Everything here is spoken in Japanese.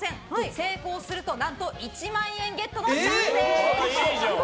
成功すると何と１万円ゲットのチャンスです。